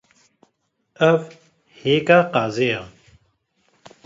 Ev hêka qazê ye.